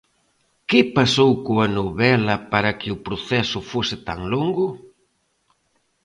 Que pasou coa novela para que o proceso fose tan longo?